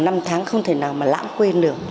năm tháng không thể nào mà lãng quên được